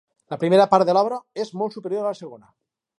La primera part de l'obra és molt superior a la segona.